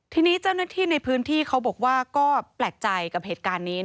ทีนี้เจ้าหน้าที่ในพื้นที่เขาบอกว่าก็แปลกใจกับเหตุการณ์นี้